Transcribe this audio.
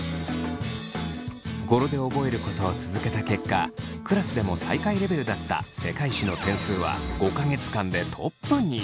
語呂で覚えることを続けた結果クラスでも最下位レベルだった世界史の点数は５か月間でトップに。